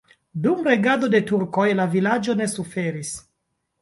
Dum regado de turkoj la vilaĝo ne suferis.